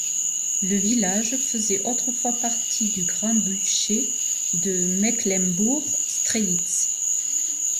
Le village faisait autrefois partie du grand-duché de Mecklembourg-Strelitz.